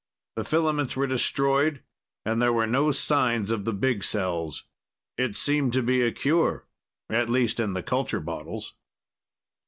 The filaments were destroyed, and there were no signs of the big cells. It seemed to be a cure, at least in the culture bottles.